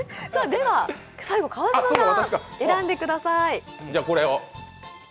最後、川島さん選んでください。